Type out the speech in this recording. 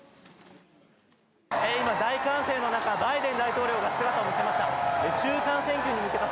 今、大歓声の中、バイデン大統領が姿を見せました。